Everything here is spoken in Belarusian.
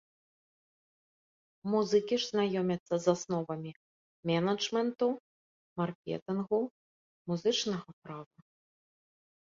Музыкі ж знаёмяцца з асновамі менеджменту, маркетынгу, музычнага права.